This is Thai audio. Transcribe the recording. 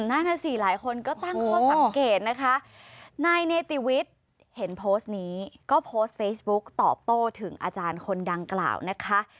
นั่นน่ะสิหลายคนก็ตั้งข้อสังเกตนะคะนายเนติวิทย์เห็นโพสต์นี้ก็โพสต์เฟซบุ๊กตอบโต้ถึงอาจารย์คนดังกล่าวนะคะ